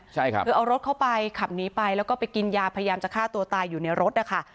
ใช่ครับคือเอารถเข้าไปขับหนีไปแล้วก็ไปกินยาพยายามจะฆ่าตัวตายอยู่ในรถนะคะ